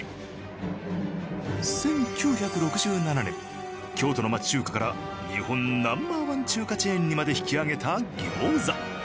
１９６７年京都の町中華から日本ナンバー１中華チェーンにまで引き上げた餃子。